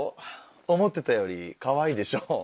思ってたよりかわいいでしょ？